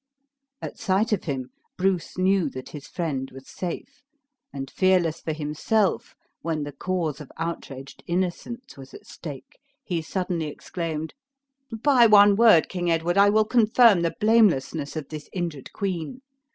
At sight of him, Bruce knew that his friend was safe; and fearless for himself when the cause of outraged innocence was at stake, he suddenly exclaimed: "By one word, King Edward, I will confirm the blamelessness of this injured queen.